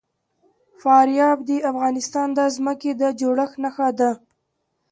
فاریاب د افغانستان د ځمکې د جوړښت نښه ده.